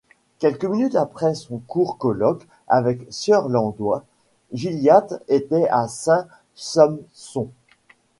Quelques minutes après son court colloque avec sieur Landoys, Gilliatt était à Saint-Sampson.